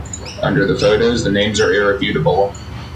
Under the photos, the names are irrefutable.